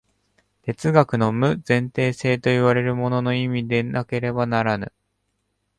哲学の無前提性といわれるものの意味でなければならぬ。